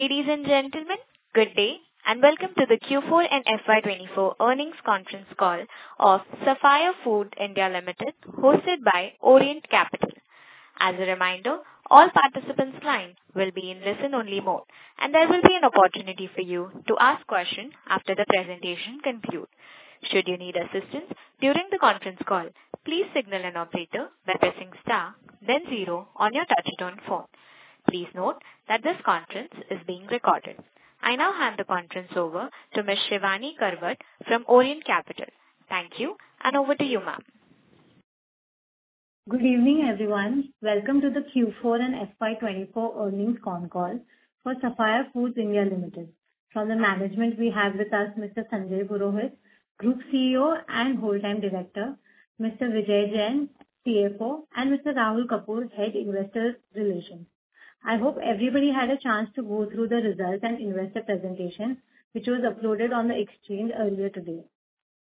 Ladies and gentlemen, Good Day and Welcome to the Q4 and FY24 Earnings Conference Call of Sapphire Foods India Limited hosted by Orient Capital. As a reminder, all participants' line will be in listen-only mode and there will be an opportunity for you to ask questions after the presentation concludes. Should you need assistance during the conference call, please signal an operator by pressing star, then zero on your touch-tone phone. Please note that this conference is being recorded. I now hand the conference over to Ms. Shivani Karwat from Orient Capital. Thank you and over to you, ma'am. Good evening, everyone. Welcome to the Q4 and FY2024 earnings phone call for Sapphire Foods India Limited. From the management, we have with us Mr. Sanjay Purohit, Group CEO and Whole-Time Director, Mr. Vijay Jain, CFO, and Mr. Rahul Kapoor, Head Investor Relations. I hope everybody had a chance to go through the results and investor presentations which were uploaded on the exchange earlier today.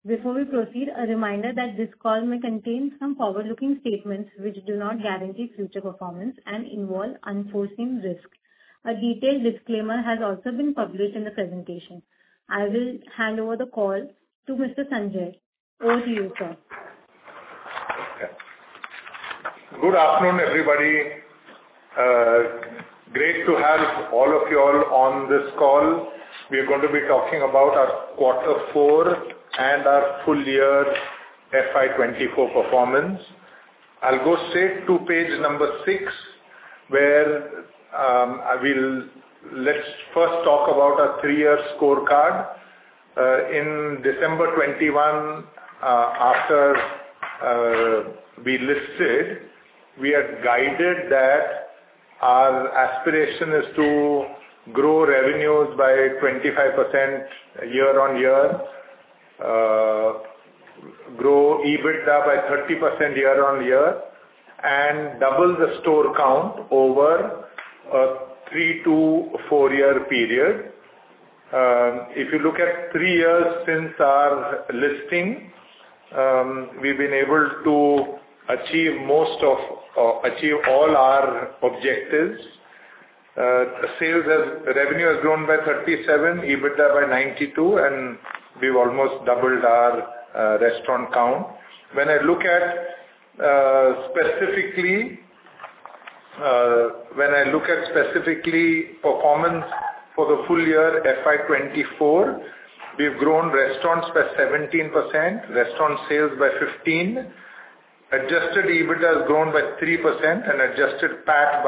Before we proceed, a reminder that this call may contain some forward-looking statements which do not guarantee future performance and involve unforeseen risks. A detailed disclaimer has also been published in the presentation. I will hand over the call to Mr. Sanjay. Over to you, sir. Okay. Good afternoon, everybody. Great to have all of you all on this call. We are going to be talking about our quarter four and our full-year FY24 performance. I'll go straight to page number six where I will let's first talk about our three-year scorecard. In December 2021, after we listed, we had guided that our aspiration is to grow revenues by 25% year-on-year, grow EBITDA by 30% year-on-year, and double the store count over a three to four-year period. If you look at three years since our listing, we've been able to achieve most of achieve all our objectives. Revenue has grown by 37%, EBITDA by 92%, and we've almost doubled our restaurant count. When I look at specifically, When I look at specifically performance for the full-year FY2024, we've grown restaurants by 17%, restaurant sales by 15%, adjusted EBITDA has grown by 3%, and adjusted PAT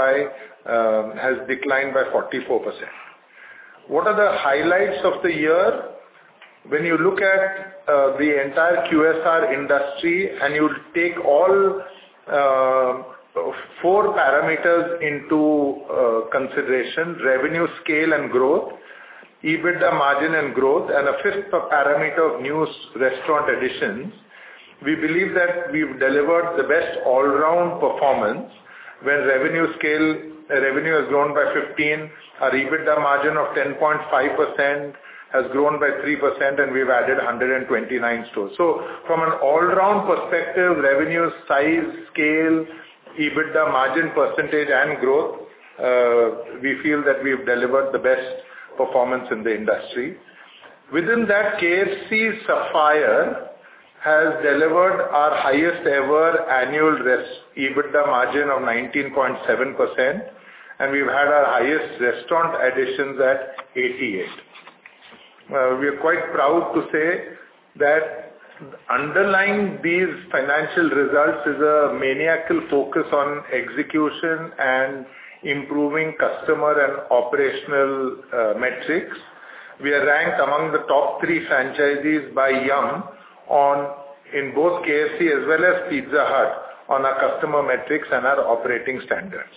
has declined by 44%. What are the highlights of the year? When you look at the entire QSR industry and you take all four parameters into consideration: revenue scale and growth, EBITDA margin and growth, and a fifth parameter of new restaurant additions, we believe that we've delivered the best all-round performance. When revenue scale has grown by 15%, our EBITDA margin of 10.5% has grown by 3%, and we've added 129 stores. So from an all-round perspective, revenue size, scale, EBITDA margin percentage, and growth, we feel that we've delivered the best performance in the industry. Within that, KFC Sapphire has delivered our highest-ever annual EBITDA margin of 19.7%, and we've had our highest restaurant additions at 88. We are quite proud to say that underlying these financial results is a maniacal focus on execution and improving customer and operational metrics. We are ranked among the top three franchises by Yum on, in both KFC as well as Pizza Hut on our customer metrics and our operating standards.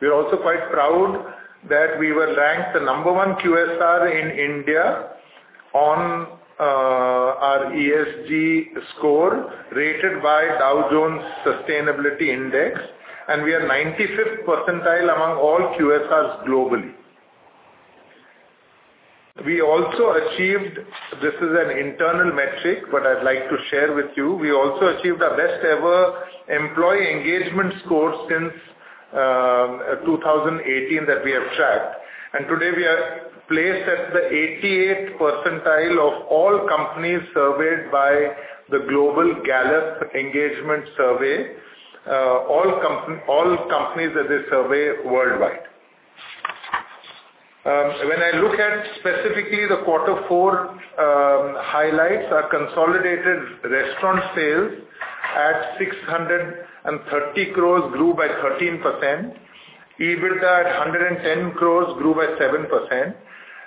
We're also quite proud that we were ranked the number one QSR in India on our ESG score rated by Dow Jones Sustainability Index, and we are 95th percentile among all QSRs globally. We also achieved this is an internal metric, but I'd like to share with you. We also achieved our best-ever employee engagement score since 2018 that we have tracked. And today, we are placed at the 88th percentile of all companies surveyed by the Global Gallup Engagement Survey, all companies that they survey worldwide. When I look at specifically the quarter four highlights, our consolidated restaurant sales at 630 crores grew by 13%, EBITDA at 110 crores grew by 7%.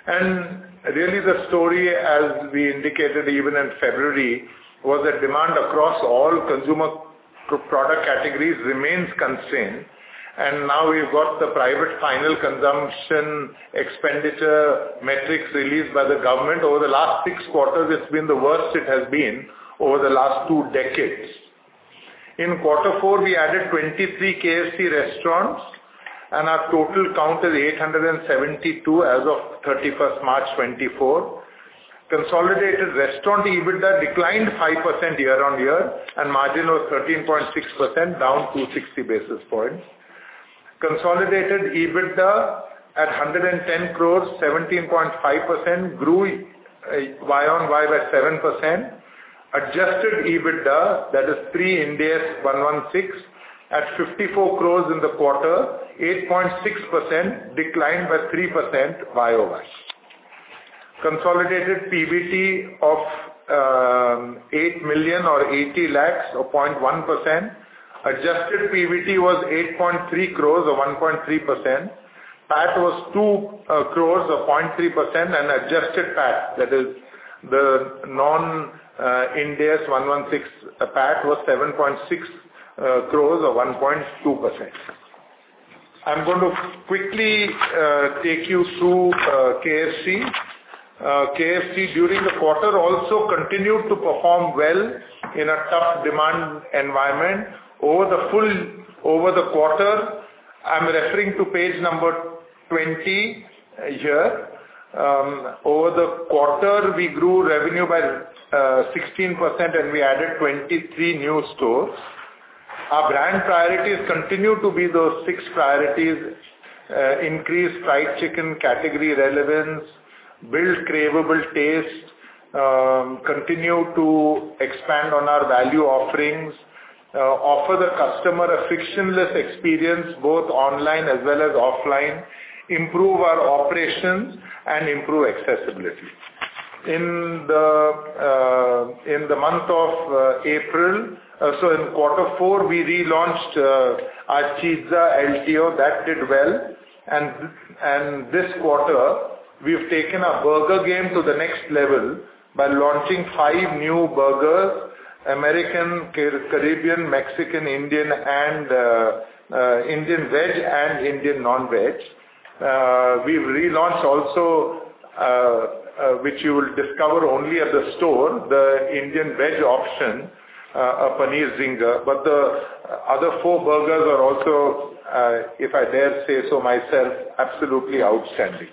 And really, the story, as we indicated even in February, was that demand across all consumer product categories remains constrained. And now we've got the private final consumption expenditure metrics released by the government. Over the last six quarters, it's been the worst it has been over the last two decades. In quarter four, we added 23 KFC restaurants, and our total count is 872 as of 31st March 2024. Consolidated restaurant EBITDA declined 5% year-on-year, and margin was 13.6%, down 260 basis points. Consolidated EBITDA at 110 crores, 17.5%, grew year-on-year by 7%. Adjusted EBITDA, that is Ind AS 116, at 54 crore in the quarter, 8.6%, declined by 3% year-over-year. Consolidated PBT of 8 million or 80 lakh, 0.1%. Adjusted PBT was 8.3 crore or 1.3%. PAT was 2 crore or 0.3%, and adjusted PAT, that is the non-Ind AS 116, PAT was 7.6 crore or 1.2%. I'm going to quickly take you through KFC. KFC, during the quarter, also continued to perform well in a tough demand environment. Over the quarter, I'm referring to page number 20 here. Over the quarter, we grew revenue by 16%, and we added 23 new stores. Our brand priorities continue to be those six priorities: increase fried chicken category relevance, build craveable taste, continue to expand on our value offerings, offer the customer a frictionless experience both online as well as offline, improve our operations, and improve accessibility. In the, In the month of April, so in quarter four, we relaunched our pizza LTO. That did well. This quarter, we've taken our burger game to the next level by launching five new burgers: American, Caribbean, Mexican, Indian, and Indian veg and Indian non-veg. We've relaunched also, which you will discover only at the store, the Indian veg option, a Paneer Zinger. But the other four burgers are also, if I dare say so myself, absolutely outstanding.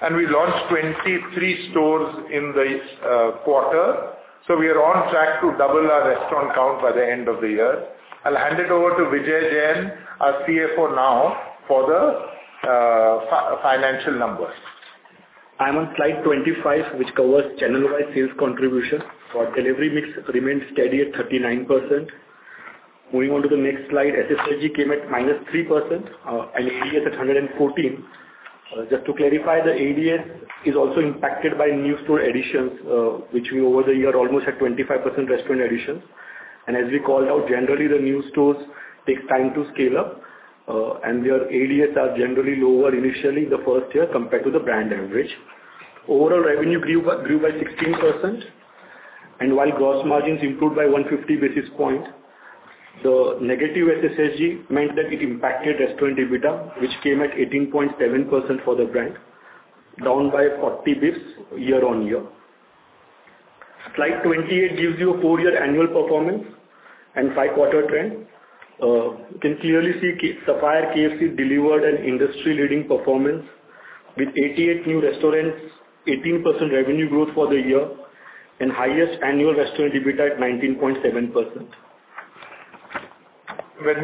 We launched 23 stores in this quarter, so we are on track to double our restaurant count by the end of the year. I'll hand it over to Vijay Jain, our CFO now, for the financial numbers. I'm on slide 25, which covers channel-wide sales contribution. Our delivery mix remained steady at 39%. Moving on to the next slide, SSSG came at -3% and ADS at 114. Just to clarify, the ADS is also impacted by new store additions, which we over the year almost had 25% restaurant additions. And as we called out, generally, the new stores take time to scale up, and their ADS are generally lower initially the first year compared to the brand average. Overall revenue grew by 16%, and while gross margins improved by 150 basis points, the negative SSSG meant that it impacted restaurant EBITDA, which came at 18.7% for the brand, down by 40 basis points year-over-year. Slide 28 gives you a four-year annual performance and five-quarter trend. You can clearly see Sapphire KFC delivered an industry-leading performance with 88 new restaurants, 18% revenue growth for the year, and highest annual restaurant EBITDA at 19.7%. Let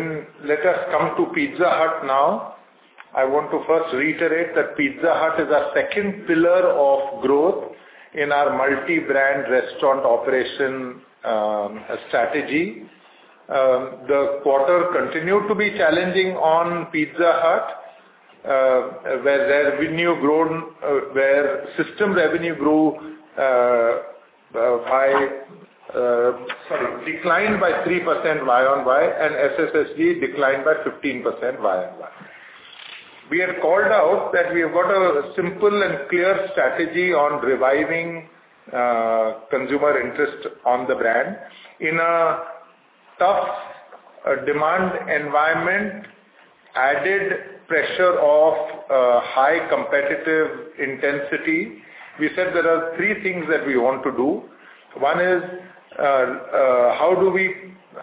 us come to Pizza Hut now. I want to first reiterate that Pizza Hut is our second pillar of growth in our multi-brand restaurant operation strategy. The quarter continued to be challenging on Pizza Hut, where system revenue grew by, sorry, declined by 3% year-on-year, and SSSG declined by 15% year-on-year. We had called out that we have got a simple and clear strategy on reviving consumer interest on the brand. In a tough demand environment, added pressure of high competitive intensity, we said there are three things that we want to do. One is,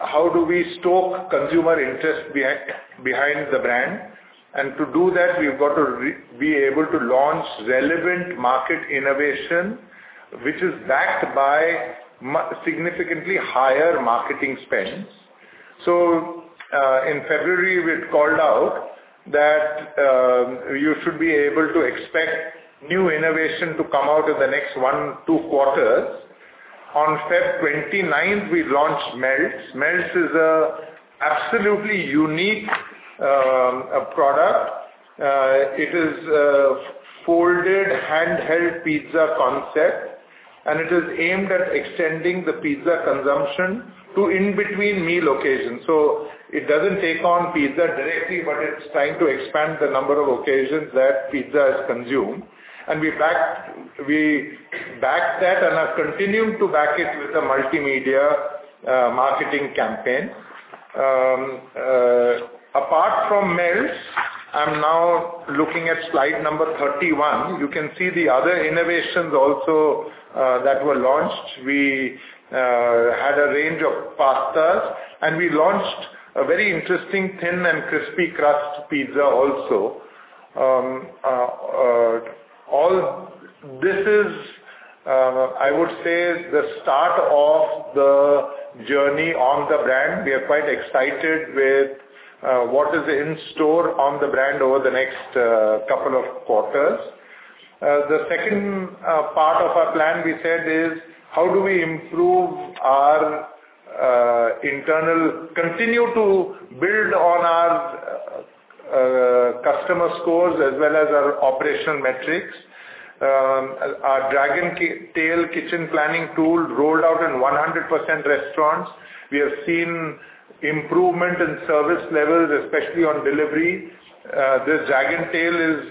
how do we stoke consumer interest behind the brand? And to do that, we've got to be able to launch relevant market innovation, which is backed by significantly higher marketing spend. In February, we had called out that you should be able to expect new innovation to come out in the next one, two quarters. On February 29th, we launched Melts. Melts is an absolutely unique product. It is a folded handheld pizza concept, and it is aimed at extending the pizza consumption to in-between meal occasions. So it doesn't take on pizza directly, but it's trying to expand the number of occasions that pizza is consumed. And we backed that and have continued to back it with a multimedia marketing campaign. Apart from Melts, I'm now looking at slide number 31. You can see the other innovations also that were launched. We had a range of pastas, and we launched a very interesting thin and crispy crust pizza also. This is, I would say, the start of the journey on the brand. We are quite excited with what is in store on the brand over the next couple of quarters. The second part of our plan, we said, is, how do we improve our internal continue to build on our customer scores as well as our operational metrics? Our Dragontail kitchen planning tool rolled out in 100% restaurants. We have seen improvement in service levels, especially on delivery. This Dragontail is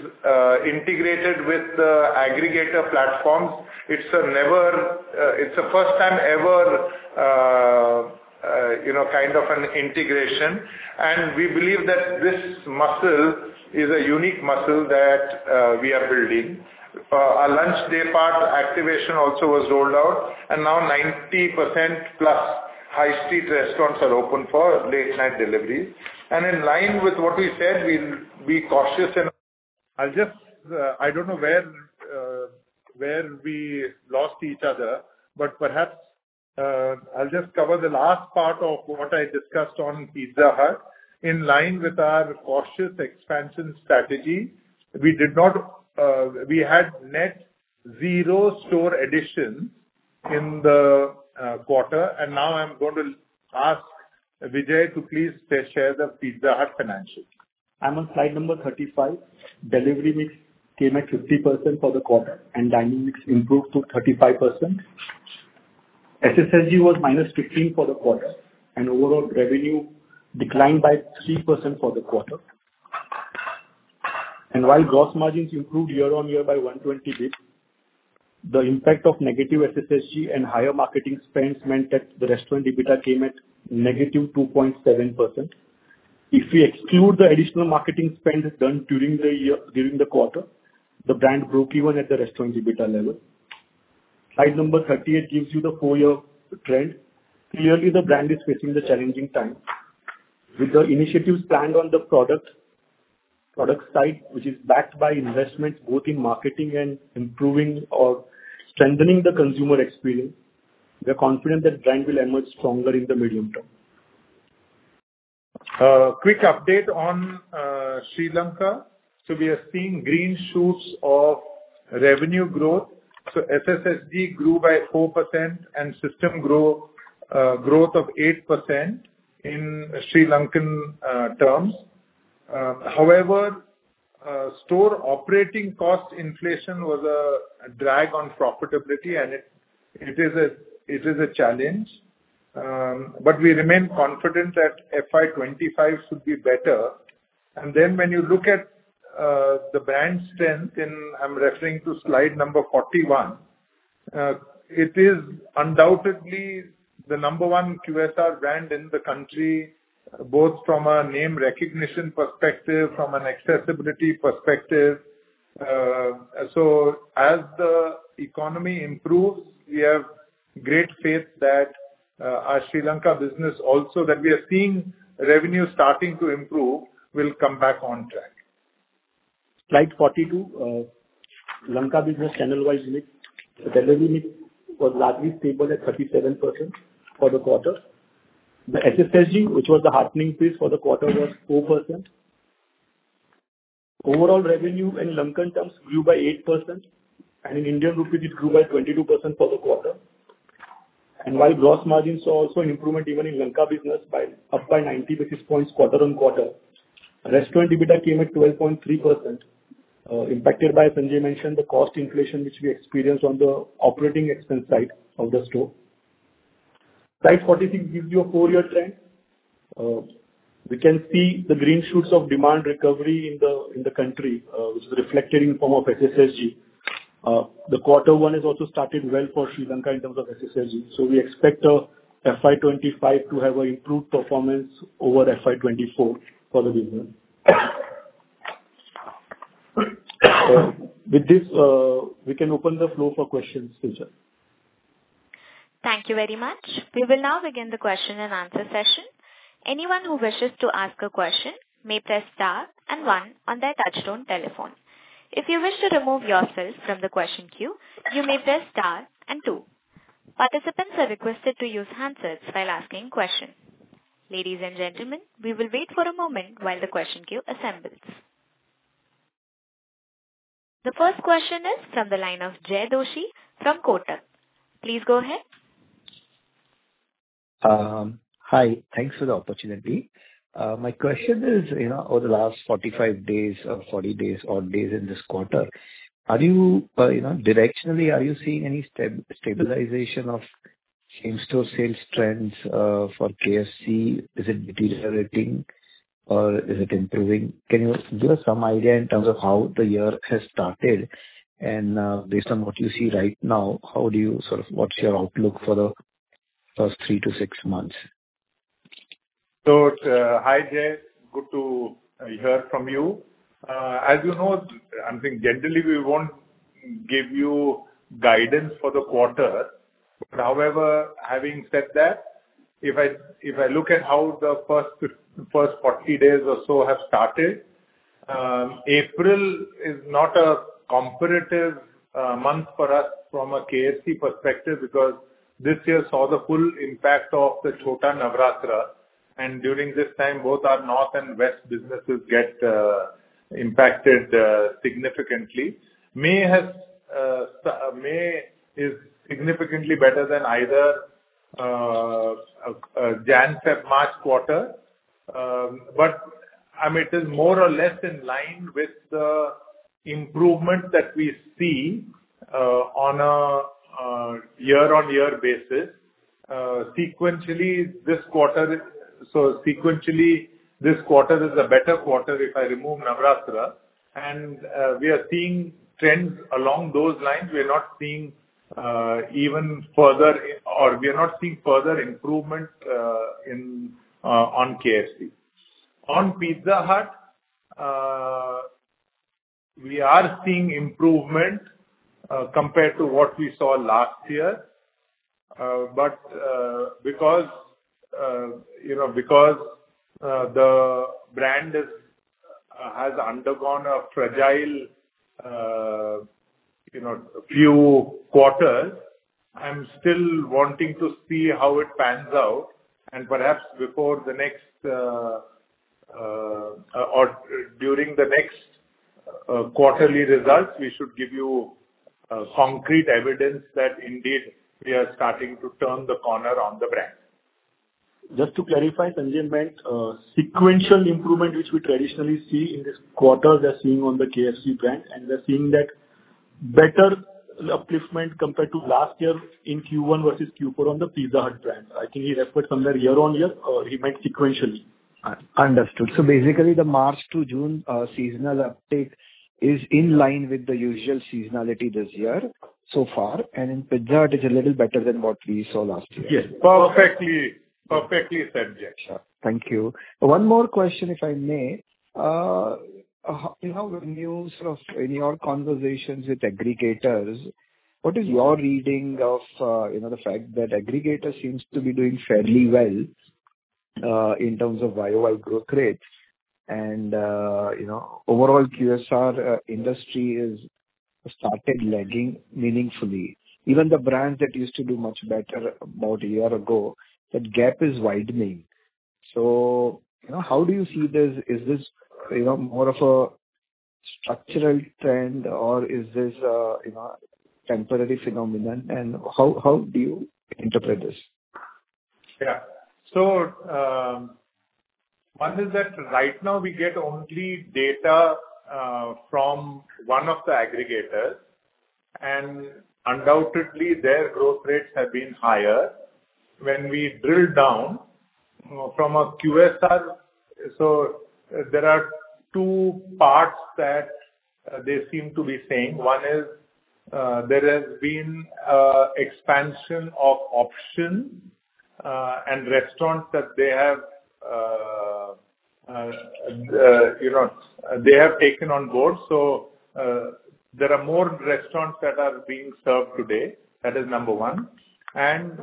integrated with the aggregator platforms. It's a first-time-ever kind of an integration. And we believe that this muscle is a unique muscle that we are building. Our lunch daypart activation also was rolled out, and now 90%+ high street restaurants are open for late-night deliveries. And in line with what we said, we'll be cautious in I don't know where we lost each other, but perhaps I'll just cover the last part of what I discussed on Pizza Hut. In line with our cautious expansion strategy, we had net zero store additions in the quarter. Now I'm going to ask Vijay to please share the Pizza Hut financials. I'm on slide 35. Delivery mix came at 50% for the quarter, and dining mix improved to 35%. SSSG was -15% for the quarter, and overall revenue declined by 3% for the quarter. While gross margins improved year-on-year by 120 basis points, the impact of negative SSSG and higher marketing spends meant that the restaurant EBITDA came at -2.7%. If we exclude the additional marketing spend done during the quarter, the brand broke even at the restaurant EBITDA level. Slide 38 gives you the 4-year trend. Clearly, the brand is facing a challenging time. With the initiatives planned on the product side, which is backed by investments both in marketing and improving or strengthening the consumer experience, we are confident that the brand will emerge stronger in the medium term. Quick update on Sri Lanka. So we are seeing green shoots of revenue growth. So SSSG grew by 4% and system growth of 8% in Sri Lankan terms. However, store operating cost inflation was a drag on profitability, and it is a challenge. But we remain confident that FY25 should be better. And then when you look at the brand strength, and I'm referring to slide number 41, it is undoubtedly the number one QSR brand in the country, both from a name recognition perspective, from an accessibility perspective. So as the economy improves, we have great faith that our Sri Lanka business also that we are seeing revenue starting to improve will come back on track. Slide 42. Lanka business channel-wise mix. The delivery mix was largely stable at 37% for the quarter. The SSSG, which was the heartening piece for the quarter, was 4%. Overall revenue in Lankan terms grew by 8%, and in Indian Rupees, it grew by 22% for the quarter. While gross margins saw also an improvement even in Lanka business, up by 90 basis points quarter-over-quarter, restaurant EBITDA came at 12.3%, impacted by, as Sanjay mentioned, the cost inflation which we experienced on the operating expense side of the store. Slide 46 gives you a four-year trend. We can see the green shoots of demand recovery in the country, which is reflected in the form of SSSG. The quarter one has also started well for Sri Lanka in terms of SSSG. So we expect FY25 to have an improved performance over FY24 for the business. With this, we can open the floor for questions later. Thank you very much. We will now begin the question and answer session. Anyone who wishes to ask a question may press star and one on their touch-tone telephone. If you wish to remove yourself from the question queue, you may press star and two. Participants are requested to use handset while asking questions. Ladies and gentlemen, we will wait for a moment while the question queue assembles. The first question is from the line of Jay Doshi from Kotak. Please go ahead. Hi. Thanks for the opportunity. My question is, over the last 45 days or 40 days or days in this quarter, directionally, are you seeing any stabilization of same-store sales trends for KFC? Is it deteriorating, or is it improving? Can you give us some idea in terms of how the year has started? And based on what you see right now, how do you sort of what's your outlook for the first three to six months? So hi, Jay. Good to hear from you. As you know, I think generally, we won't give you guidance for the quarter. But however, having said that, if I look at how the first 40 days or so have started, April is not a comparative month for us from a KFC perspective because this year saw the full impact of the Chota Navratra. And during this time, both our north and west businesses get impacted significantly. May is significantly better than either Jan/Feb/March quarter. But I mean, it is more or less in line with the improvement that we see on a year-on-year basis. Sequentially, this quarter so sequentially, this quarter is a better quarter if I remove Navratra. And we are seeing trends along those lines. We are not seeing even further or we are not seeing further improvement on KFC. On Pizza Hut, we are seeing improvement compared to what we saw last year. But because the brand has undergone a fragile few quarters, I'm still wanting to see how it pans out. And perhaps before the next or during the next quarterly results, we should give you concrete evidence that indeed, we are starting to turn the corner on the brand. Just to clarify, Sanjay meant sequential improvement which we traditionally see in this quarter we are seeing on the KFC brand. And we are seeing that better upliftment compared to last year in Q1 versus Q4 on the Pizza Hut brand. I think he referred somewhere year-on-year, or he meant sequentially. Understood. So basically, the March to June seasonal uptake is in line with the usual seasonality this year so far. And in Pizza Hut, it's a little better than what we saw last year. Yes. Perfectly said, Jay. Sure. Thank you. One more question, if I may. In your conversations with aggregators, what is your reading of the fact that aggregators seem to be doing fairly well in terms of YoY growth rates? And overall, QSR industry has started lagging meaningfully. Even the brands that used to do much better about a year ago, that gap is widening. So how do you see this? Is this more of a structural trend, or is this a temporary phenomenon? And how do you interpret this? Yeah. So one is that right now, we get only data from one of the aggregators. And undoubtedly, their growth rates have been higher. When we drill down from a QSR so there are two parts that they seem to be saying. One is there has been an expansion of options and restaurants that they have taken on board. So there are more restaurants that are being served today. That is number one. And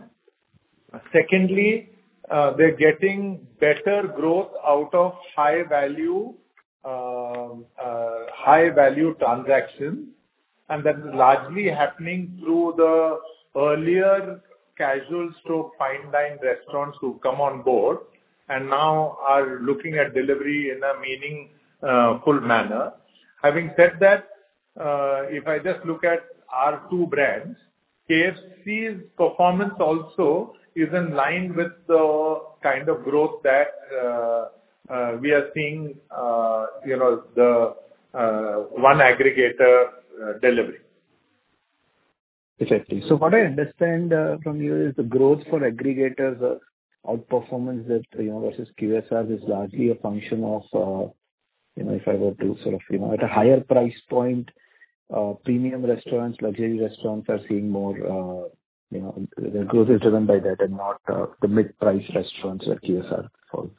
secondly, they're getting better growth out of high-value transactions. And that is largely happening through the earlier casual-store fine-line restaurants who've come on board and now are looking at delivery in a meaningful manner. Having said that, if I just look at our two brands, KFC's performance also is in line with the kind of growth that we are seeing the one aggregator delivering. Exactly. So what I understand from you is the growth for aggregators, outperformance versus QSR is largely a function of if I were to sort of at a higher price point, premium restaurants, luxury restaurants are seeing more their growth is driven by that and not the mid-price restaurants that QSR falls.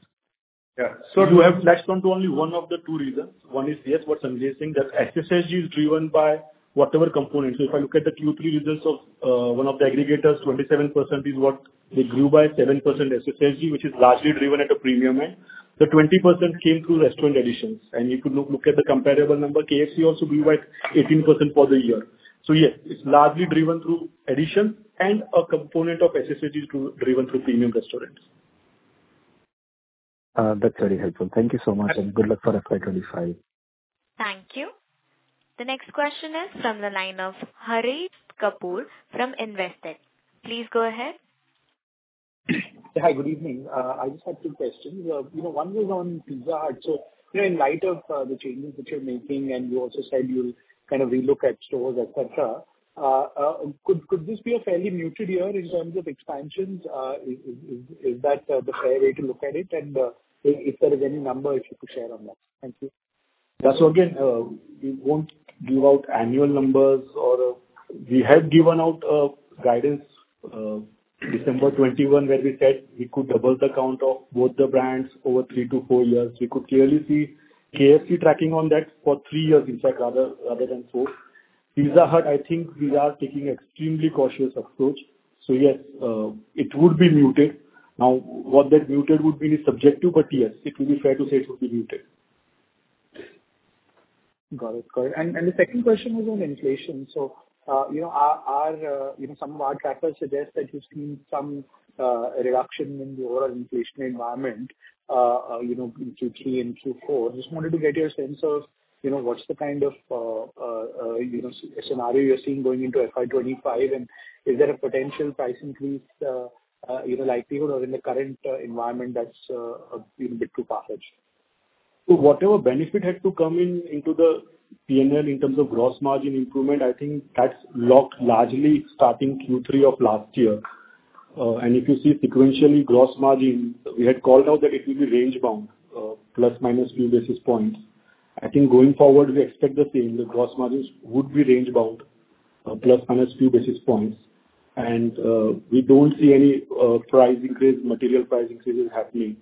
Yeah. So do we have touched on only one of the two reasons? One is, yes, what Sanjay is saying, that SSSG is driven by whatever component. So if I look at the Q3 results of one of the aggregators, 27% is what they grew by, 7% SSSG, which is largely driven at a premium end. The 20% came through restaurant additions. And if you look at the comparable number, KFC also grew by 18% for the year. So yes, it's largely driven through additions and a component of SSSG driven through premium restaurants. That's very helpful. Thank you so much, and good luck for FY25. Thank you. The next question is from the line of Harit Kapoor from Investec. Please go ahead. Hi. Good evening. I just had two questions. One was on Pizza Hut. So in light of the changes that you're making, and you also said you'll kind of relook at stores, etc., could this be a fairly muted year in terms of expansions? Is that the fair way to look at it? And if there is any number, if you could share on that. Thank you. Yeah. So again, we won't give out annual numbers. or else, We have given out guidance December 21 where we said we could double the count of both the brands over three-four years. We could clearly see KFC tracking on that for three years, in fact, rather than four. Pizza Hut, I think we are taking an extremely cautious approach. So yes, it would be muted. Now, what that muted would be is subjective. But yes, it would be fair to say it would be muted. Got it. Got it. And the second question was on inflation. So some of our trackers suggest that you've seen some reduction in the overall inflation environment in Q3 and Q4. I just wanted to get your sense of what's the kind of scenario you're seeing going into FY25, and is there a potential price increase likelihood or in the current environment that's a bit too far-fetched? So whatever benefit had to come into the P&L in terms of gross margin improvement, I think that's locked largely starting Q3 of last year. And if you see sequentially gross margin, we had called out that it would be range-bound, plus-minus few basis points. I think going forward, we expect the same. The gross margins would be range-bound, plus-minus few basis points. And we don't see any price increase, material price increases happening.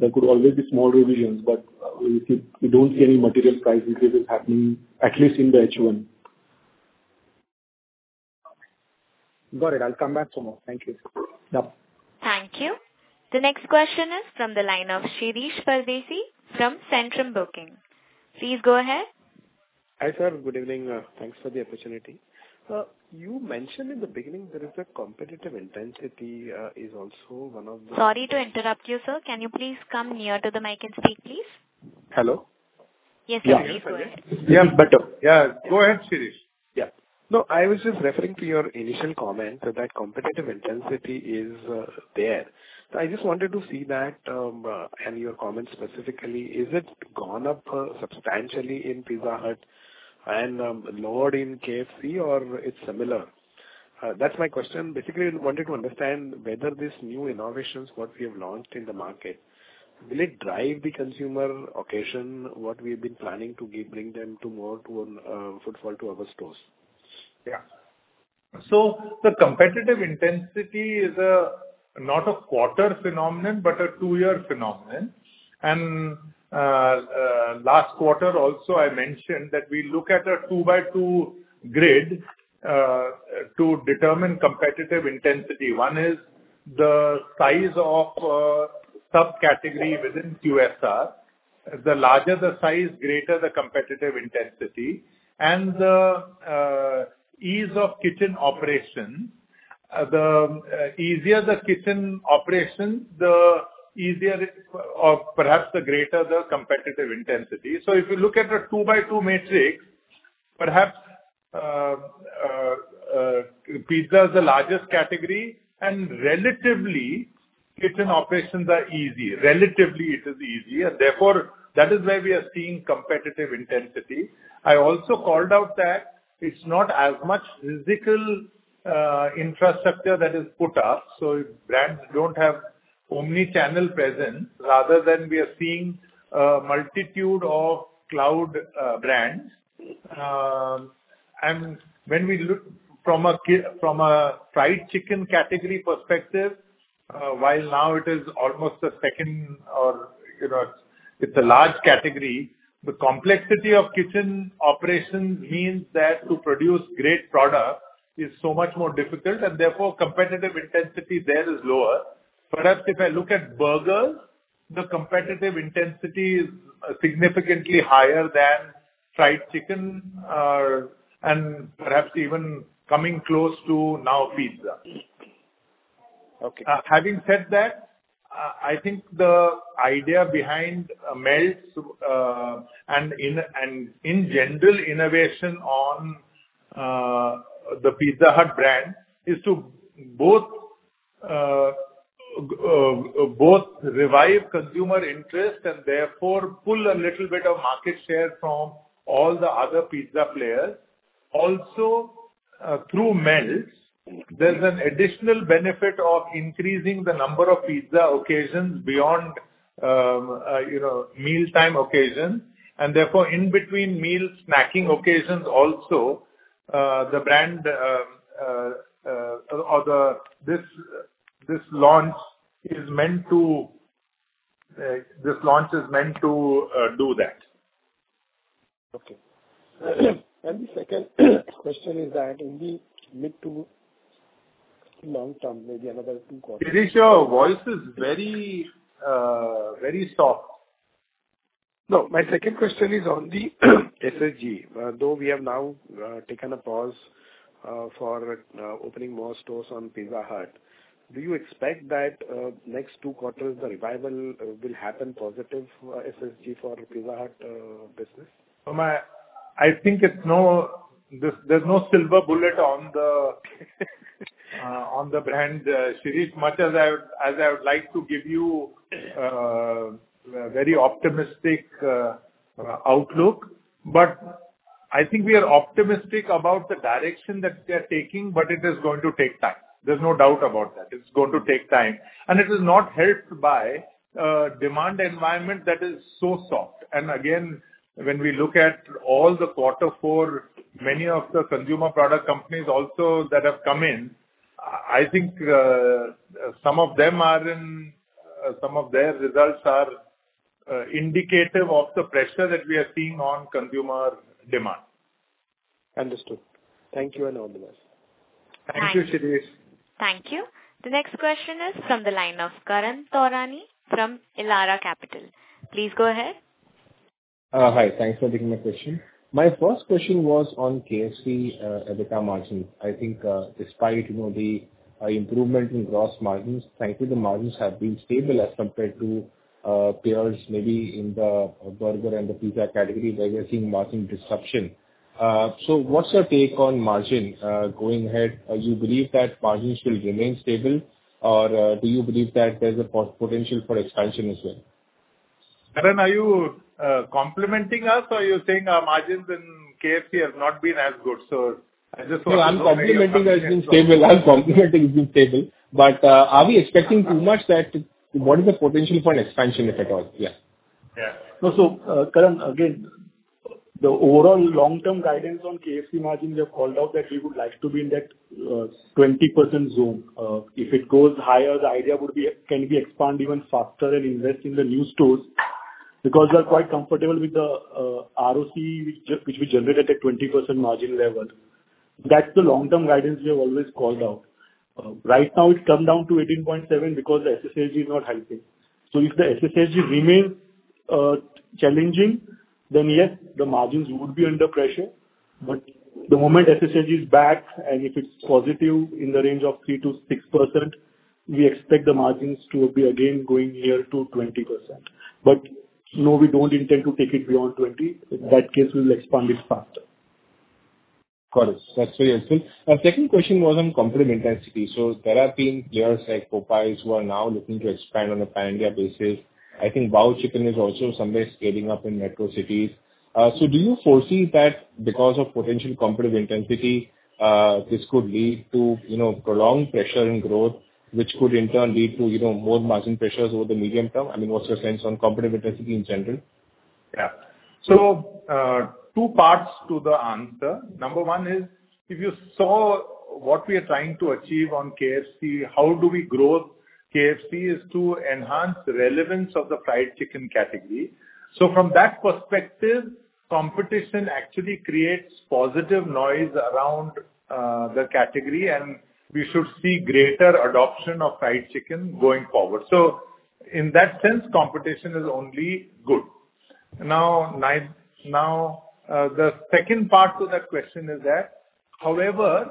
There could always be small revisions, but we don't see any material price increases happening, at least in the H1. Got it. I'll come back tomorrow. Thank you. Yep. Thank you. The next question is from the line of Shirish Pardeshi from Centrum Broking. Please go ahead. Hi, sir. Good evening. Thanks for the opportunity. You mentioned in the beginning there is a competitive intensity is also one of the. Sorry to interrupt you, sir. Can you please come nearer to the mic and speak, please? Hello? Yes, please. Go ahead. Yeah. Better. Yeah. Go ahead, Shirish. Yeah. No, I was just referring to your initial comment that that competitive intensity is there. So I just wanted to see that, and your comment specifically, is it gone up substantially in Pizza Hut and lowered in KFC, or it's similar? That's my question. Basically, I wanted to understand whether these new innovations, what we have launched in the market, will it drive the consumer occasion what we have been planning to bring them to more footfall to other stores? Yeah. So the competitive intensity is not a quarter phenomenon but a 2-year phenomenon. And last quarter also, I mentioned that we look at a 2x2 grid to determine competitive intensity. One is the size of subcategory within QSR. The larger the size, greater the competitive intensity. And the ease of kitchen operation the easier the kitchen operation, the easier or perhaps the greater the competitive intensity. So if you look at a 2x2 matrix, perhaps pizza is the largest category. And relatively, kitchen operations are easy. Relatively, it is easy. And therefore, that is why we are seeing competitive intensity. I also called out that it's not as much physical infrastructure that is put up. So brands don't have omnichannel presence. Rather than, we are seeing a multitude of cloud brands. And when we look from a fried chicken category perspective, while now it is almost the second or it's a large category, the complexity of kitchen operations means that to produce great product is so much more difficult. And therefore, competitive intensity there is lower. Perhaps if I look at burgers, the competitive intensity is significantly higher than fried chicken and perhaps even coming close to now pizza. Having said that, I think the idea behind Melts and in general, innovation on the Pizza Hut brand is to both revive consumer interest and therefore pull a little bit of market share from all the other pizza players. Also, through Melts, there's an additional benefit of increasing the number of pizza occasions beyond mealtime occasions. And therefore, in between meal snacking occasions also, the brand or this launch is meant to do that. Okay. The second question is that in the mid to long term, maybe another two quarters. Shirish, your voice is very soft. No. My second question is on the SSSG. Though we have now taken a pause for opening more stores on Pizza Hut, do you expect that next two quarters, the revival will happen positive for SSSG for Pizza Hut business? I think there's no silver bullet on the brand, Shirish, much as I would like to give you a very optimistic outlook. But I think we are optimistic about the direction that we are taking, but it is going to take time. There's no doubt about that. It's going to take time. And it is not helped by a demand environment that is so soft. And again, when we look at all the quarter four, many of the consumer product companies also that have come in, I think some of them are in some of their results are indicative of the pressure that we are seeing on consumer demand. Understood. Thank you and all the best. Thank you, Shirish. Thank you. The next question is from the line of Karan Taurani from Elara Capital. Please go ahead. Hi. Thanks for taking my question. My first question was on KFC EBITDA margins. I think despite the improvement in gross margins, thankfully, the margins have been stable as compared to peers, maybe in the burger and the pizza category, where we are seeing margin disruption. So what's your take on margin going ahead? Do you believe that margins will remain stable, or do you believe that there's a potential for expansion as well? Karan, are you complimenting us, or are you saying our margins in KFC have not been as good? So I just want to know. No, I'm complimenting as being stable. I'm complimenting as being stable. But are we expecting too much that what is the potential for an expansion, if at all? Yeah. Yeah. No, so Karan, again, the overall long-term guidance on KFC margins, we have called out that we would like to be in that 20% zone. If it goes higher, the idea can be expanded even faster and invest in the new stores because we are quite comfortable with the ROC, which we generate at a 20% margin level. That's the long-term guidance we have always called out. Right now, it's come down to 18.7% because the SSSG is not helping. So if the SSSG remains challenging, then yes, the margins would be under pressure. But the moment SSSG is back, and if it's positive in the range of 3%-6%, we expect the margins to be, again, going near to 20%. But no, we don't intend to take it beyond 20%. In that case, we will expand it faster. Got it. That's very helpful. Second question was on competitive intensity. So there have been players like Popeyes who are now looking to expand on a pan-India basis. I think Wow! Chicken is also somewhere scaling up in metro cities. So do you foresee that because of potential competitive intensity, this could lead to prolonged pressure on growth, which could in turn lead to more margin pressures over the medium term? I mean, what's your sense on competitive intensity in general? Yeah. So two parts to the answer. Number one is if you saw what we are trying to achieve on KFC, how do we grow KFC is to enhance relevance of the fried chicken category. So from that perspective, competition actually creates positive noise around the category, and we should see greater adoption of fried chicken going forward. So in that sense, competition is only good. Now, the second part to that question is that, however,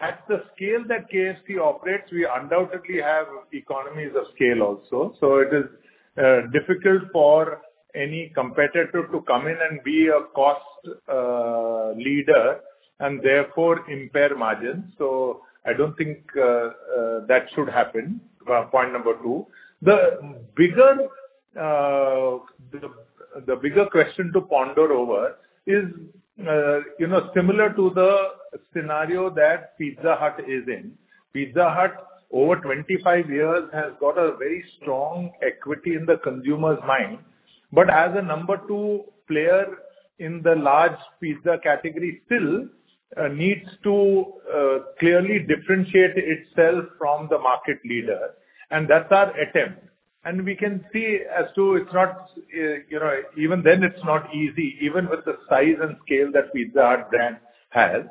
at the scale that KFC operates, we undoubtedly have economies of scale also. So it is difficult for any competitor to come in and be a cost leader and therefore impair margins. So I don't think that should happen, point number two. The bigger question to ponder over is similar to the scenario that Pizza Hut is in. Pizza Hut, over 25 years, has got a very strong equity in the consumer's mind. But as a number two player in the large pizza category, still needs to clearly differentiate itself from the market leader. And that's our attempt. And we can see as to it's not even then, it's not easy, even with the size and scale that Pizza Hut brand has.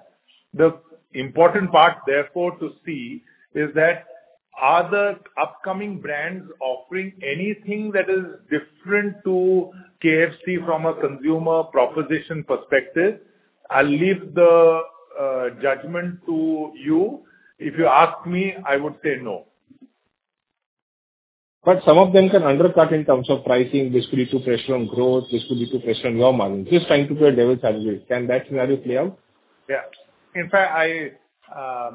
The important part, therefore, to see is that are the upcoming brands offering anything that is different to KFC from a consumer proposition perspective? I'll leave the judgment to you. If you ask me, I would say no. But some of them can undercut in terms of pricing. This could put pressure on growth. This could put pressure on your margins. I'm trying to play devil's advocate. Can that scenario play out? Yeah. In fact, I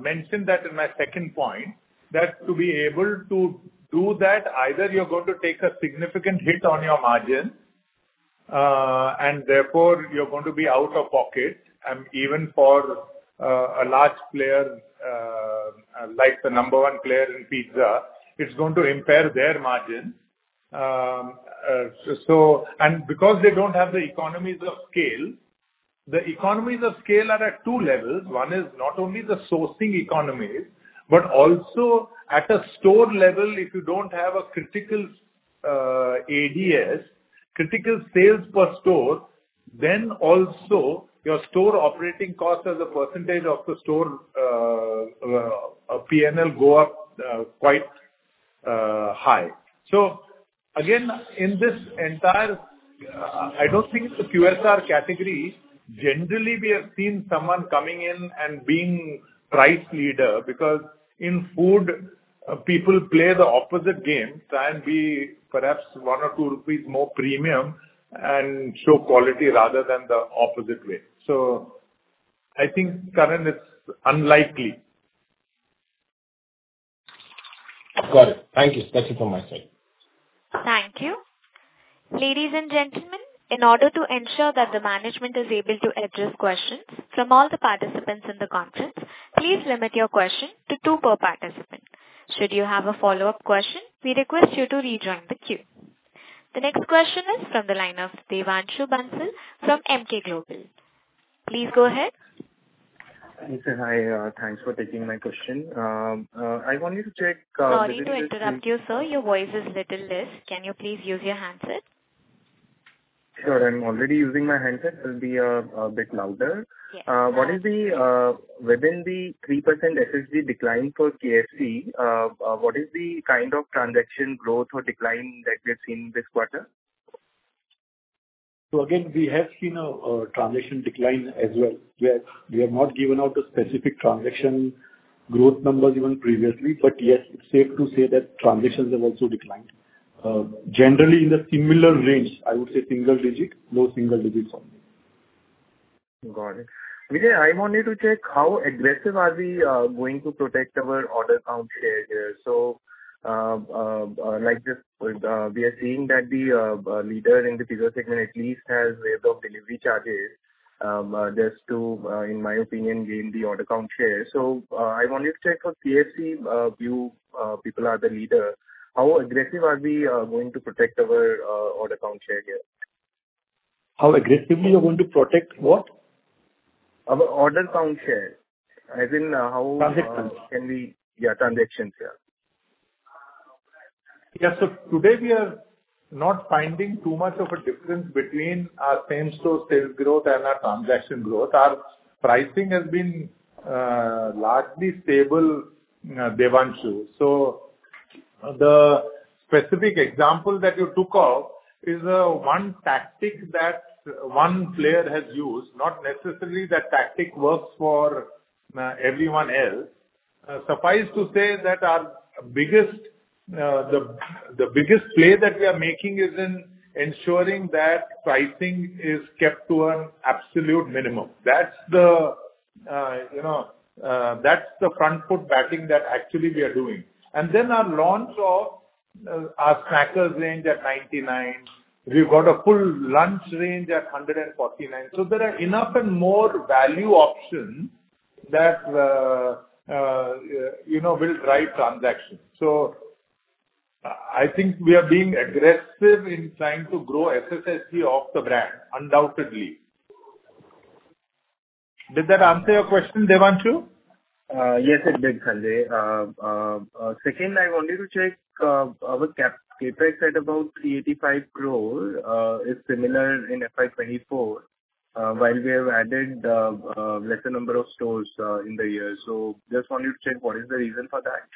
mentioned that in my second point, that to be able to do that, either you're going to take a significant hit on your margin, and therefore, you're going to be out of pocket. And even for a large player like the number one player in pizza, it's going to impair their margins. And because they don't have the economies of scale, the economies of scale are at two levels. One is not only the sourcing economies, but also at a store level, if you don't have a critical ADS, critical sales per store, then also your store operating cost as a percentage of the store P&L go up quite high. So again, in this entire I don't think it's the QSR category. Generally, we have seen someone coming in and being price leader because in food, people play the opposite game and be perhaps 1 or 2 rupees more premium and show quality rather than the opposite way. So I think, Karan, it's unlikely. Got it. Thank you. That's it from my side. Thank you. Ladies and gentlemen, in order to ensure that the management is able to address questions from all the participants in the conference, please limit your question to two per participant. Should you have a follow-up question, we request you to rejoin the queue. The next question is from the line of Devanshu Bansal from Emkay Global. Please go ahead. Yes, sir. Hi. Thanks for taking my question. I wanted to check. Sorry to interrupt you, sir. Your voice is little less. Can you please use your handset? Sure. I'm already using my handset. It'll be a bit louder. What is the, within the 3% SSSG decline for KFC, what is the kind of transaction growth or decline that we have seen this quarter? Again, we have seen a transaction decline as well. We have not given out a specific transaction growth number even previously. Yes, it's safe to say that transactions have also declined. Generally, in the similar range, I would say single digit, low single digits only. Got it. Vijay, I wanted to check how aggressive are we going to protect our order count share here? So we are seeing that the leader in the pizza segment at least has waived delivery charges just to, in my opinion, gain the order count share. So I wanted to check for KFC, we are the leader. How aggressive are we going to protect our order count share here? How aggressively you're going to protect what? Our order count share. As in how can we? Transactions. Yeah. Transactions. Yeah. Yeah. So today, we are not finding too much of a difference between our same-store sales growth and our transaction growth. Our pricing has been largely stable, Devanshu. So the specific example that you took off is one tactic that one player has used. Not necessarily that tactic works for everyone else. Suffice to say that our biggest play that we are making is in ensuring that pricing is kept to an absolute minimum. That's the front-foot batting that actually we are doing. And then our launch of our Snackers range at 99. We've got a full lunch range at 149. So there are enough and more value options that will drive transactions. So I think we are being aggressive in trying to grow SSSG off the brand, undoubtedly. Did that answer your question, Devanshu? Yes, it did, Sanjay. Second, I wanted to check our CapEx at about 385 crore is similar in FY 2024 while we have added lesser number of stores in the year. So just wanted to check what is the reason for that?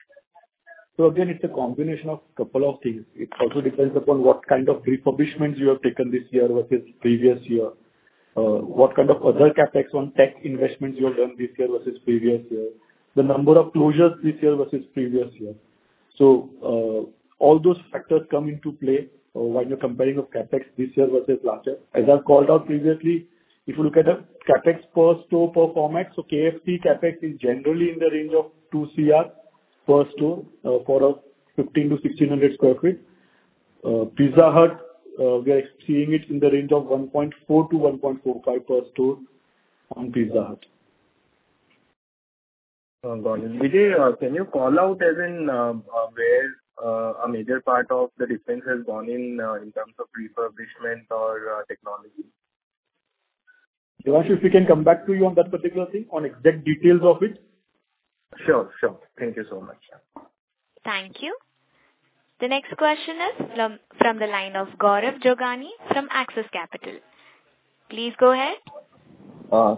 So again, it's a combination of a couple of things. It also depends upon what kind of refurbishments you have taken this year versus previous year, what kind of other CapEx on tech investments you have done this year versus previous year, the number of closures this year versus previous year. So all those factors come into play when you're comparing CapEx this year versus last year. As I've called out previously, if you look at a CapEx per store per format, so KFC CapEx is generally in the range of 2 crore per store for a 1,500-1,600 sq ft. Pizza Hut, we are seeing it in the range of 1.4 crore-1.45 crore per store on Pizza Hut. Got it. Vijay, can you call out as in where a major part of the difference has gone in terms of refurbishment or technology? Devanshu, if you can come back to you on that particular thing, on exact details of it. Sure. Sure. Thank you so much. Thank you. The next question is from the line of Gaurav Jogani from Axis Capital. Please go ahead.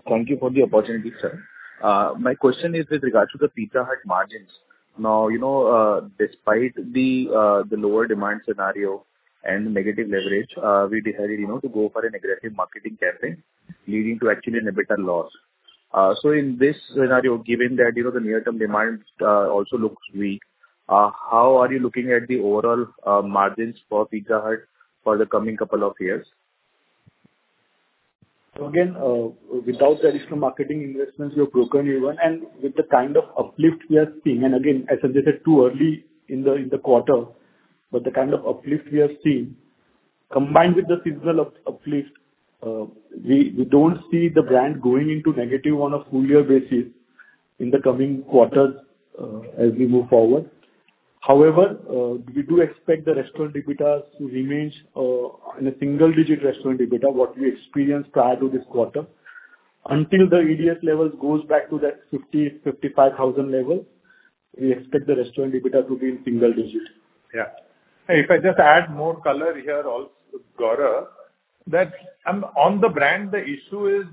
Thank you for the opportunity, sir. My question is with regards to the Pizza Hut margins. Now, despite the lower demand scenario and negative leverage, we decided to go for an aggressive marketing campaign leading to actually a bit of loss. So in this scenario, given that the near-term demand also looks weak, how are you looking at the overall margins for Pizza Hut for the coming couple of years? So again, without the additional marketing investments, you're broken even. And with the kind of uplift we are seeing and again, as I said, too early in the quarter. But the kind of uplift we have seen, combined with the seasonal uplift, we don't see the brand going into negative on a full-year basis in the coming quarters as we move forward. However, we do expect the restaurant EBITDA to remain in a single-digit restaurant EBITDA, what we experienced prior to this quarter. Until the ADS level goes back to that 50,000, 55,000 level, we expect the restaurant EBITDA to be in single digit. Yeah. If I just add more color here, Gaurav, on the brand, the issue is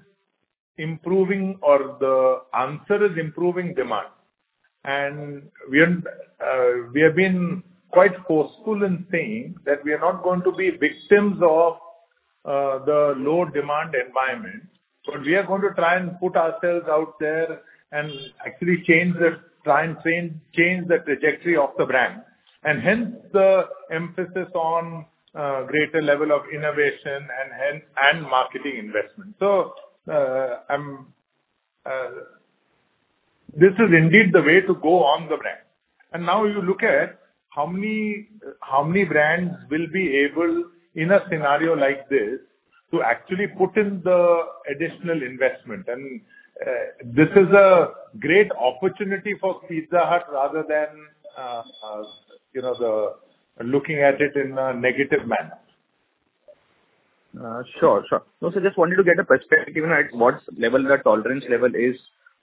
improving or the answer is improving demand. We have been quite forceful in saying that we are not going to be victims of the low demand environment, but we are going to try and put ourselves out there and actually try and change the trajectory of the brand and hence the emphasis on greater level of innovation and marketing investment. This is indeed the way to go on the brand. Now you look at how many brands will be able, in a scenario like this, to actually put in the additional investment. This is a great opportunity for Pizza Hut rather than looking at it in a negative manner. Sure. Sure. No, sir. Just wanted to get a perspective on what level the tolerance level is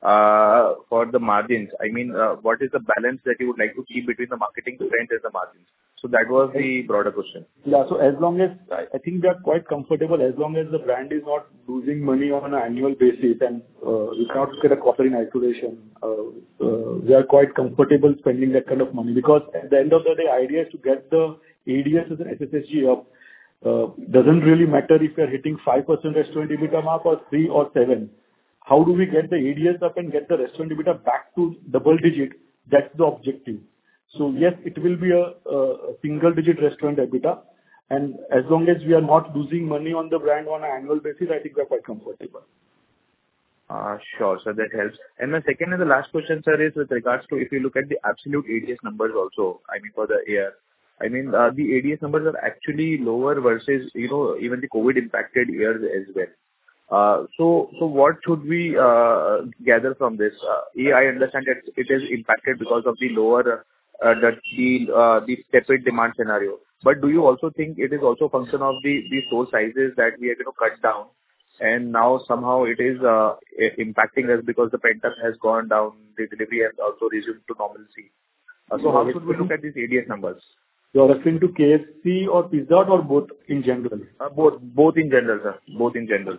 for the margins. I mean, what is the balance that you would like to keep between the marketing strength and the margins? So that was the broader question. Yeah. So I think we are quite comfortable as long as the brand is not losing money on an annual basis and we cannot get a cost in isolation. We are quite comfortable spending that kind of money because at the end of the day, the idea is to get the ADS and an SSSG up. It doesn't really matter if we are hitting 5% restaurant EBITDA mark or 3% or 7%. How do we get the ADS up and get the restaurant EBITDA back to double digit? That's the objective. So yes, it will be a single-digit restaurant EBITDA. And as long as we are not losing money on the brand on an annual basis, I think we are quite comfortable. Sure. So that helps. My second and the last question, sir, is with regards to if you look at the absolute ADS numbers also, I mean, for the year. I mean, the ADS numbers are actually lower versus even the COVID-impacted years as well. So what should we gather from this? I understand that it is impacted because of the stepped demand scenario. But do you also think it is also a function of the store sizes that we are going to cut down and now somehow it is impacting us because the printup has gone down, the delivery has also resumed to normalcy? So how should we look at these ADS numbers? You are referring to KFC or Pizza Hut or both in general? Both. Both in general, sir. Both in general.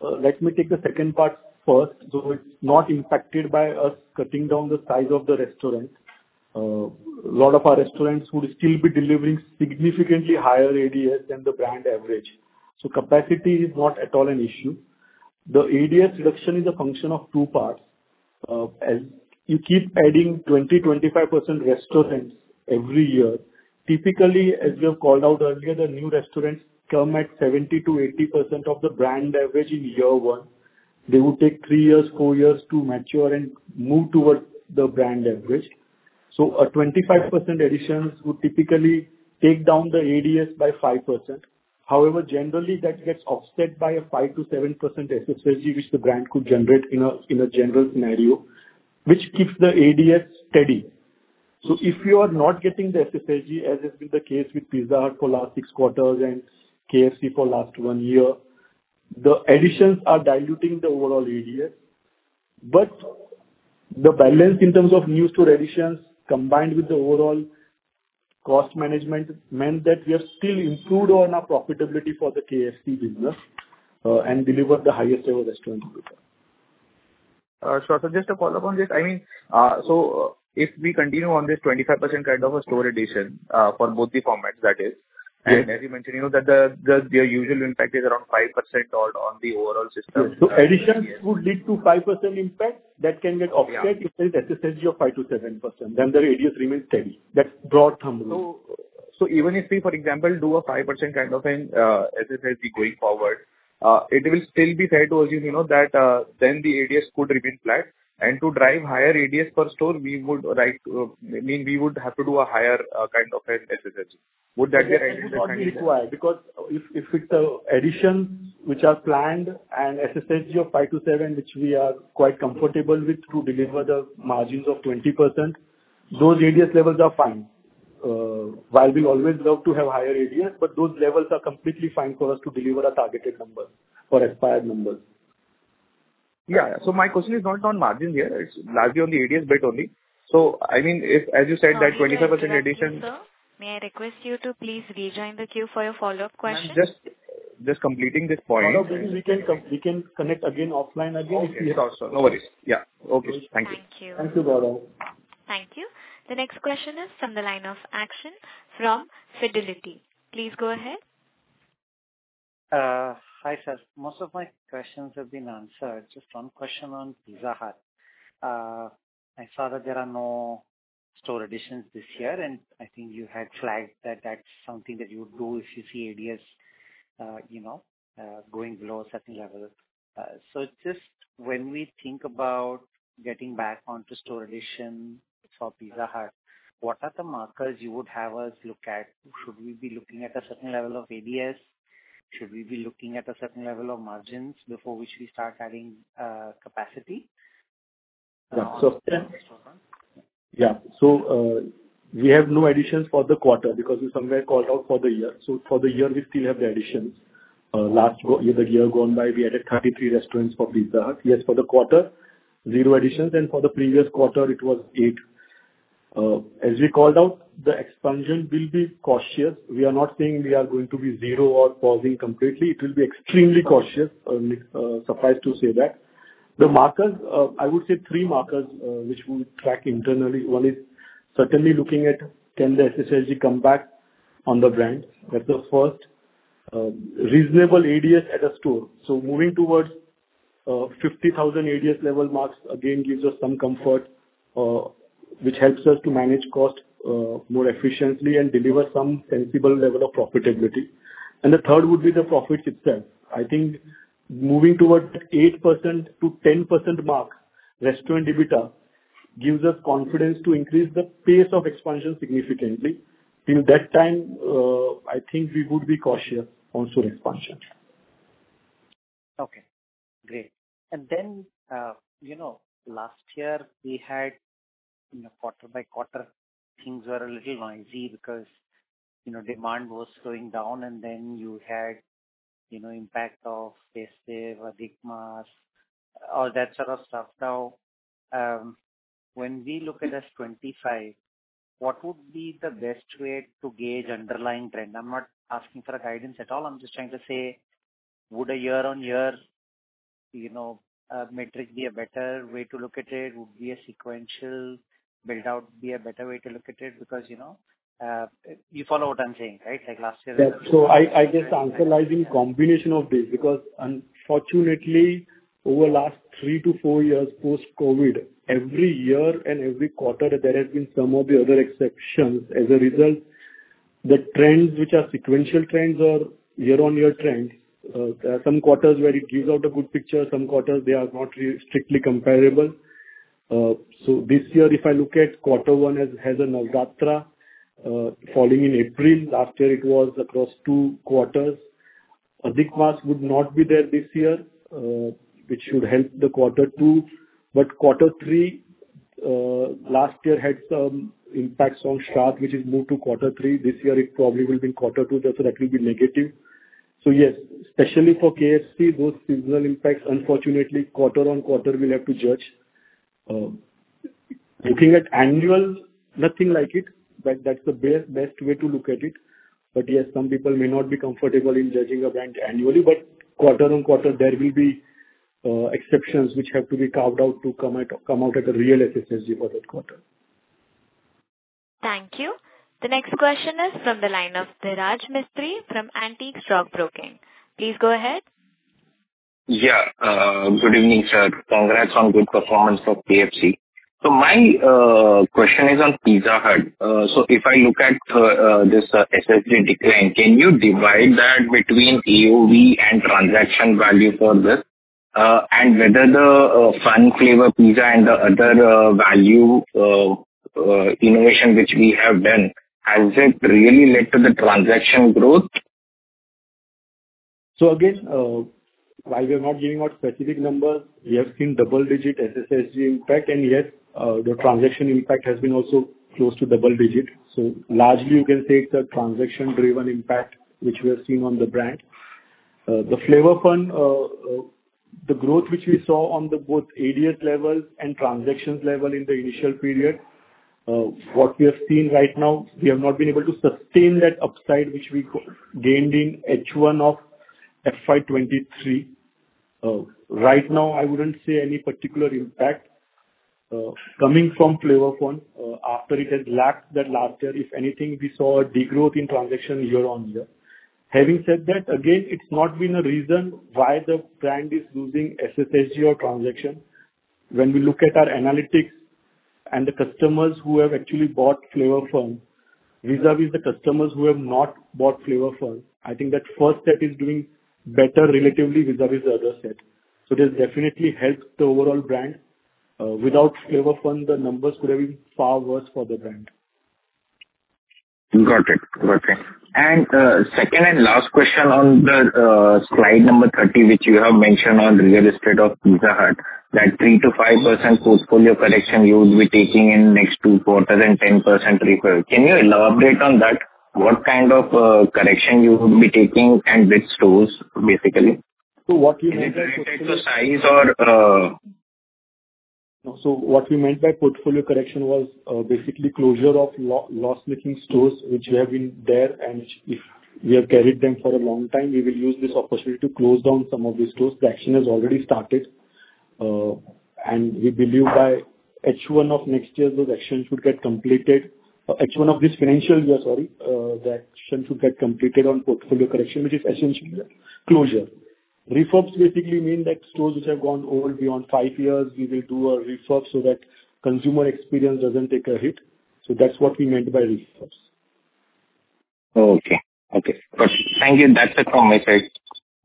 Let me take the second part first. So it's not impacted by us cutting down the size of the restaurant. A lot of our restaurants would still be delivering significantly higher ADS than the brand average. So capacity is not at all an issue. The ADS reduction is a function of two parts. You keep adding 20%-25% restaurants every year. Typically, as we have called out earlier, the new restaurants come at 70%-80% of the brand average in year one. They would take three years, four years to mature and move towards the brand average. So a 25% addition would typically take down the ADS by 5%. However, generally, that gets offset by a 5%-7% SSSG, which the brand could generate in a general scenario, which keeps the ADS steady. So if you are not getting the SSSG, as has been the case with Pizza Hut for last six quarters and KFC for last one year, the additions are diluting the overall ADS. But the balance in terms of new store additions combined with the overall cost management meant that we have still improved on our profitability for the KFC business and delivered the highest ever restaurant EBITDA. Sure. So just to follow up on this, I mean, so if we continue on this 25% kind of a store addition for both the formats, that is, and as you mentioned, that their usual impact is around 5% on the overall system. Yes. So additions would lead to 5% impact that can get offset if there is SSSG of 5%-7%. Then the ADS remains steady. That's broad thumb rule. So even if we, for example, do a 5% kind of an SSSG going forward, it will still be fair to assume that then the ADS could remain flat. And to drive higher ADS per store, we would right I mean, we would have to do a higher kind of an SSSG. Would that be right? It would be required because if it's additions which are planned and SSSG of 5%-7%, which we are quite comfortable with to deliver the margins of 20%, those ADS levels are fine. While we always love to have higher ADS, but those levels are completely fine for us to deliver a targeted number or aspirational numbers. Yeah. So my question is not on margins here. It's largely on the ADS bit only. So I mean, as you said, that 25% addition. Sir, may I request you to please rejoin the queue for your follow-up question? I'm just completing this point. Oh, no. We can connect again offline again if we have time. Sure. Sure. No worries. Yeah. Okay. Thank you. Thank you. Thank you, Gaurav. Thank you. The next question is from the line of Akshen from Fidelity. Please go ahead. Hi, sir. Most of my questions have been answered. Just one question on Pizza Hut. I saw that there are no store additions this year, and I think you had flagged that that's something that you would do if you see ADS going below a certain level. So just when we think about getting back onto store addition for Pizza Hut, what are the markers you would have us look at? Should we be looking at a certain level of ADS? Should we be looking at a certain level of margins before which we start adding capacity? Yeah. So we have no additions for the quarter because we somewhere called out for the year. So for the year, we still have the additions. The year gone by, we added 33 restaurants for Pizza Hut. Yes, for the quarter, zero additions. And for the previous quarter, it was 8. As we called out, the expansion will be cautious. We are not saying we are going to be zero or pausing completely. It will be extremely cautious. Suffice to say that. I would say three markers which we would track internally. One is certainly looking at can the SSSG come back on the brand. That's the first. Reasonable ADS at a store. So moving towards 50,000 ADS level marks, again, gives us some comfort, which helps us to manage cost more efficiently and deliver some sensible level of profitability. And the third would be the profits itself. I think moving toward 8%-10% mark restaurant EBITDA gives us confidence to increase the pace of expansion significantly. Till that time, I think we would be cautious on store expansion. Okay. Great. And then last year, we had quarter by quarter, things were a little noisy because demand was slowing down, and then you had, you know, impact of Sawan, Adhik Maas, all that sort of stuff. Now, when we look at S25, what would be the best way to gauge underlying trend? I'm not asking for a guidance at all. I'm just trying to say, would a year-on-year metric be a better way to look at it? Would a sequential build-out be a better way to look at it? Because you follow what I'm saying, right? Last year. Yeah. So I guess answer like in combination of this because unfortunately, over the last three to four years post-COVID, every year and every quarter, there have been some of the other exceptions. As a result, the trends which are sequential trends or year-on-year trends, there are some quarters where it gives out a good picture. Some quarters, they are not strictly comparable. So this year, if I look at quarter one as a Navratri falling in April, last year, it was across two quarters. Adhik Maas would not be there this year, which should help the quarter two. But quarter three last year had some impacts on Shradh, which is moved to quarter three. This year, it probably will be in quarter two. So that will be negative. So yes, especially for KFC, those seasonal impacts, unfortunately, quarter-on-quarter, we'll have to judge. Looking at annual, nothing like it. That's the best way to look at it. But yes, some people may not be comfortable in judging a brand annually. But quarter-on-quarter, there will be exceptions which have to be carved out to come out at a real SSSG for that quarter. Thank you. The next question is from the line of Dhiraj Mistry from Antique Stock Broking. Please go ahead. Yeah. Good evening, sir. Congrats on good performance for KFC. So my question is on Pizza Hut. So if I look at this SSSG decline, can you divide that between AOV and transaction value for this and whether the fun flavor pizza and the other value innovation which we have done, has it really led to the transaction growth? So again, while we are not giving out specific numbers, we have seen double-digit SSSG impact. And yes, the transaction impact has been also close to double-digit. So largely, you can say it's a transaction-driven impact which we have seen on the brand. The Flavour Fun, the growth which we saw on both ADS levels and transactions level in the initial period, what we have seen right now, we have not been able to sustain that upside which we gained in H1 of FY23. Right now, I wouldn't say any particular impact coming from Flavour Fun after it has lacked that last year. If anything, we saw a degrowth in transaction year-on-year. Having said that, again, it's not been a reason why the brand is losing SSSG or transaction. When we look at our analytics and the customers who have actually bought Flavour Fun, vis-a-vis the customers who have not bought Flavour Fun, I think that first set is doing better relatively vis-a-vis the other set. So it has definitely helped the overall brand. Without Flavour Fun, the numbers could have been far worse for the brand. Got it. Got it. And second and last question on the slide number 30, which you have mentioned on real estate of Pizza Hut, that 3%-5% portfolio correction you would be taking in next two quarters and 10% refurb. Can you elaborate on that? What kind of correction you would be taking and with stores, basically? So, what you meant by. Is it related to size or? No. So what we meant by portfolio correction was basically closure of loss-making stores which have been there, and if we have carried them for a long time, we will use this opportunity to close down some of these stores. The action has already started. We believe by H1 of next year, those actions should get completed. H1 of this financial year, sorry, the action should get completed on portfolio correction, which is essentially closure. Refurbs basically mean that stores which have gone old beyond five years, we will do a refurb so that consumer experience doesn't take a hit. So that's what we meant by refurbs. Okay. Okay. Perfect. Thank you. That's it from my side.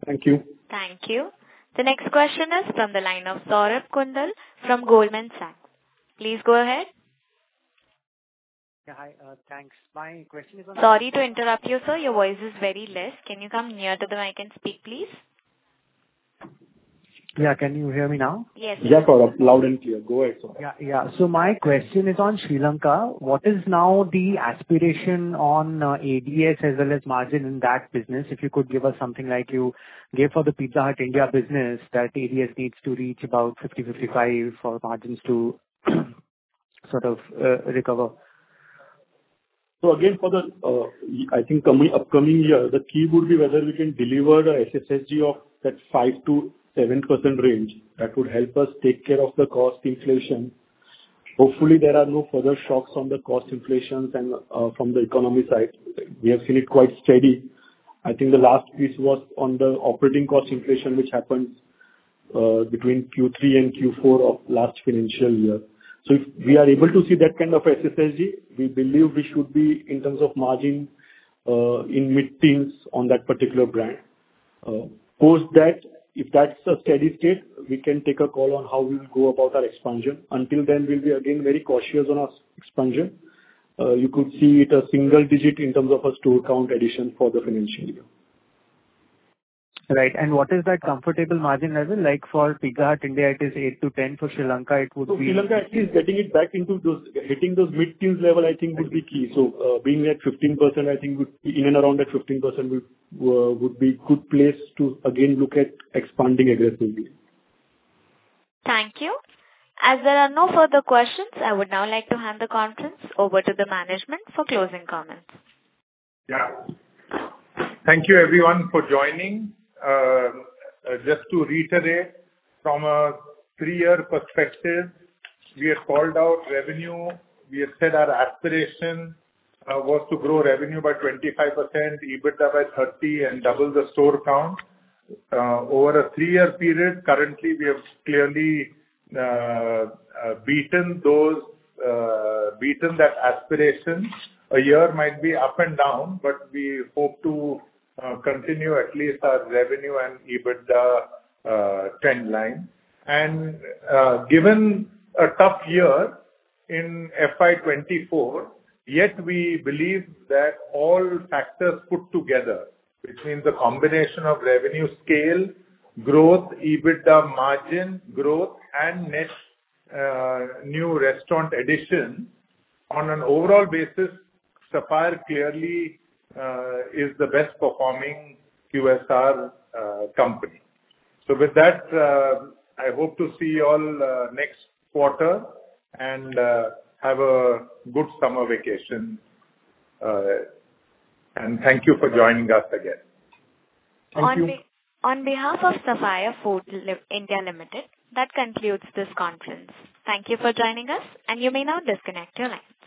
Thank you. Thank you. The next question is from the line of Saurabh Kundan from Goldman Sachs. Please go ahead. Yeah. Hi. Thanks. My question is on. Sorry to interrupt you, sir. Your voice is very less. Can you come near to the mic and speak, please? Yeah. Can you hear me now? Yes. Yeah, Saurabh. Loud and clear. Go ahead, Saurabh. Yeah. Yeah. So my question is on Sri Lanka. What is now the aspiration on ADS as well as margin in that business? If you could give us something like you gave for the Pizza Hut India business, that ADS needs to reach about 50-55 for margins to sort of recover. So again, I think upcoming year, the key would be whether we can deliver a SSSG of that 5%-7% range. That would help us take care of the cost inflation. Hopefully, there are no further shocks on the cost inflations from the economy side. We have seen it quite steady. I think the last piece was on the operating cost inflation, which happened between Q3 and Q4 of last financial year. So if we are able to see that kind of SSSG, we believe we should be in terms of margin in mid-teens on that particular brand. Post that, if that's a steady state, we can take a call on how we will go about our expansion. Until then, we'll be again very cautious on our expansion. You could see it a single digit in terms of a store count addition for the financial year. Right. And what is that comfortable margin level? For Pizza Hut India, it is 8-10. For Sri Lanka, it would be. So Sri Lanka, at least getting it back into those hitting those mid-teens level, I think, would be key. So being at 15%, I think in and around that 15% would be a good place to again look at expanding aggressively. Thank you. As there are no further questions, I would now like to hand the conference over to the management for closing comments. Yeah. Thank you, everyone, for joining. Just to reiterate, from a three-year perspective, we had called out revenue. We had said our aspiration was to grow revenue by 25%, EBITDA by 30, and double the store count. Over a three-year period, currently, we have clearly beaten that aspiration. A year might be up and down, but we hope to continue at least our revenue and EBITDA trendline. And given a tough year in FY2024, yet we believe that all factors put together, which means the combination of revenue scale, growth, EBITDA margin growth, and net new restaurant addition, on an overall basis, Sapphire clearly is the best-performing QSR company. So with that, I hope to see you all next quarter and have a good summer vacation. And thank you for joining us again. Thank you. On behalf of Sapphire Foods India Limited, that concludes this conference. Thank you for joining us, and you may now disconnect your line.